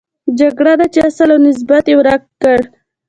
جګړه ده چې اصل او نسب یې ورک کړ.